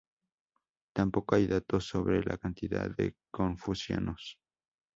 Tampoco hay datos sobre la cantidad de confucianos.